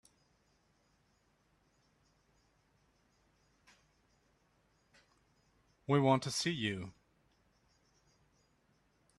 We want to see you.